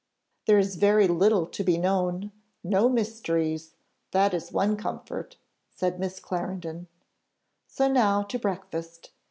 "There is very little to be known; no mysteries, that is one comfort," said Miss Clarendon; "so now to breakfast.